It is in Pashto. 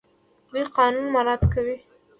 دوی قانون مراعات کوي.